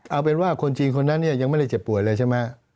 เอาเป็นว่าคนจีนคนนั้นเนี่ยยังไม่ได้เจ็บป่วยเลยใช่ไหม